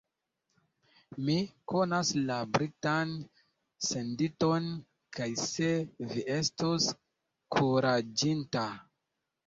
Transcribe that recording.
Mi konas la Britan senditon, kaj se vi estus kuraĝinta.